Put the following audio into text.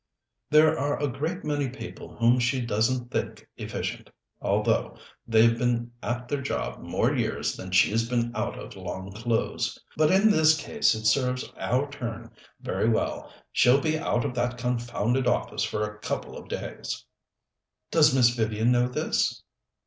"There are a great many people whom she doesn't think efficient, although they've been at their job more years than she's been out of long clothes; but in this case it serves our turn very well. She'll be out of that confounded office for a couple of days." "Does Miss Vivian know this?"